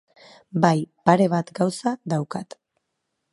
Bai, pare bat gauza daukat.